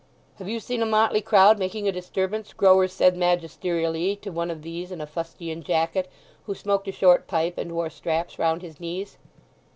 "Have you seen a motley crowd making a disturbance?" Grower said magisterially to one of these in a fustian jacket, who smoked a short pipe and wore straps round his knees.